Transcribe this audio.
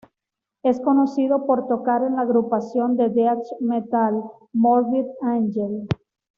Es conocido por tocar en la agrupación de Death Metal, Morbid Angel.